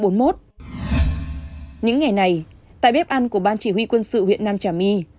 những ngày này tại bếp ăn của ban chỉ huy quân sự huyện nam trà my